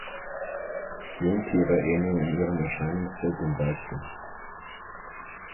Jungtiere ähneln in ihrem Erscheinungsbild den Weibchen.